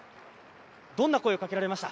どんな声をかけられました？